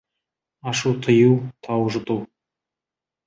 Ашу тыю — тау жұту.